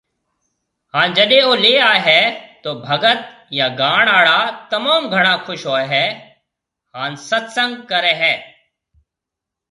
ھان جڏي او لي آئي ھيَََ تو ڀگت يا گاڻ آڙا تموم گھڻا خوش ھوئي ھان ست سنگ ڪري ھيَََ